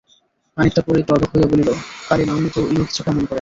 খানিকটা পরে একটু অবাক হইয়া বলিল, কালি নাওনি তো লিখছো কেমন করে?